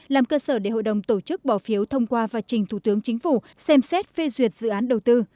làm cơ sở để hội đồng tổ chức bỏ phiếu thông qua và trình thủ tướng chính phủ xem xét phê duyệt dự án đầu tư